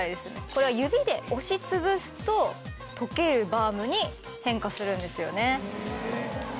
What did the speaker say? これは指で押し潰すと溶けるバームに変化するんですよね。